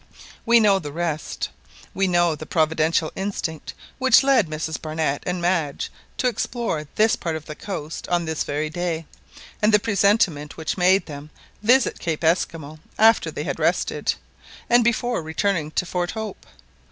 We know the rest. We know the providential instinct which led Mrs Barnett and Madge to explore this part of the coast on this very day, and the presentiment which made them visit Cape Esquimaux after they had rested, and before returning to Fort Hope.